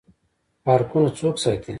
پارکونه څوک ساتي؟